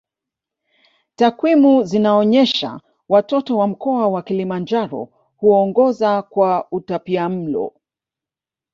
Takwimu zinaonyesha watoto wa mkoa wa Kilimanjaro huongoza kwa utapiamlo